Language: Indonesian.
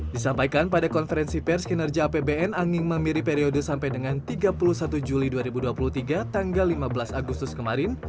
disampaikan pada konferensi pers kinerja apbn anging mamiri periode sampai dengan tiga puluh satu juli dua ribu dua puluh tiga tanggal lima belas agustus kemarin